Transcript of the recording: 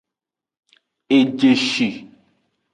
Ejeshi.